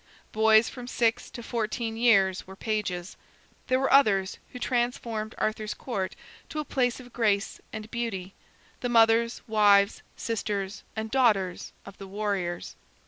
Boys from six to fourteen years were pages. There were others who transformed Arthur's Court to a place of grace and beauty, the mothers, wives, sisters, and daughters of the warriors.